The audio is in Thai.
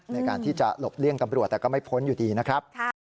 ในการที่จะหลบเลี่ยงตำรวจแต่ก็ไม่พ้นอยู่ดีนะครับ